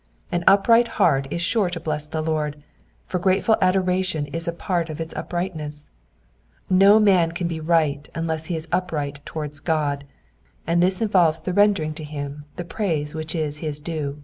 An upnght heart is sure to bless the Lord, for grateful adoration is a part of its uprightness ; no man can be right unless he is upright towards God, and this involves the rendering to him the praise which is his due.